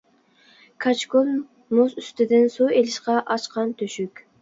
كاچكۇل-مۇز ئۈستىدىن سۇ ئېلىشقا ئاچقان تۆشۈك.